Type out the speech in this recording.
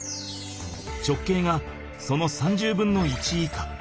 直径がその３０分の１以下。